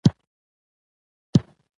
بانکونه د خلکو د پيسو خوندي ساتلو ځای دی.